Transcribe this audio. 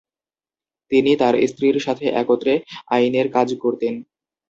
তিনি তার স্ত্রীর সাথে একত্রে আইনের কাজ করতেন।